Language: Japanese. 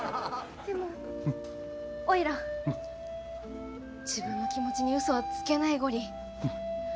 「でもおいら自分の気持ちにうそはつけないゴリ。